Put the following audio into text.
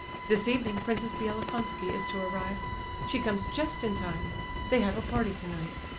This evening Princess Bielokonski is to arrive; she comes just in time—they have a party tonight.